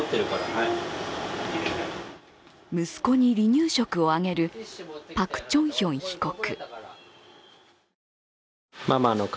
息子に離乳食をあげるパク・チョンヒン被告。